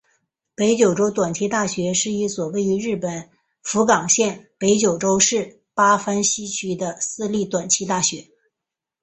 北九州短期大学是一所位于日本福冈县北九州市八幡西区的私立短期大学。